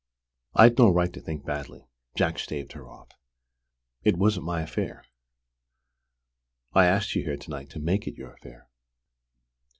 "I'd no right to think badly," Jack staved her off. "It wasn't my affair!" "I asked you here to night to make it your affair."